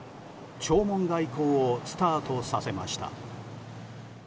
弔問外交をスタートさせました。